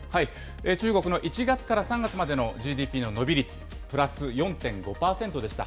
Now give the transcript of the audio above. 中国の１月から３月までのＧＤＰの伸び率、プラス４．５％でした。